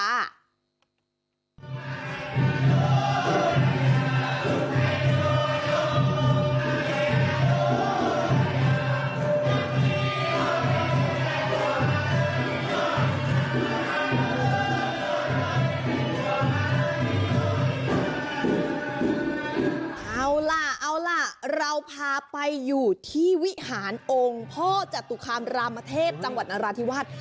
เอาล่ะเอาล่ะเราพาไปอยู่ที่วิหารองค์พ่อจตุคามรามเทพจังหวัดนราธิวาส